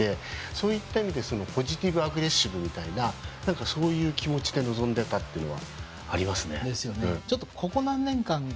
そういった意味でポジティブアグレッシブみたいなそういう気持ちで臨んでたっていうのはありますね。